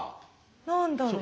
何だろう？